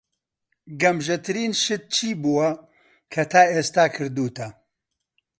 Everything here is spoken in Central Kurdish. گەمژەترین شت چی بووە کە تا ئێستا کردووتە؟